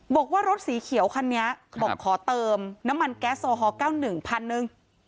บอกว่ารถสีเขียวคันนี้บอกขอเติมน้ำมันแก๊สโอฮอล๙๑พันหนึ่ง